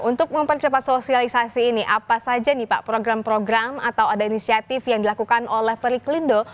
untuk mempercepat sosialisasi ini apa saja nih pak program program atau ada inisiatif yang dilakukan oleh periklindo